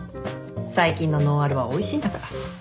最近のノンアルはおいしいんだから。